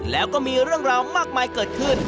แล้วก็มีเรื่องราวมากมายเกิดขึ้น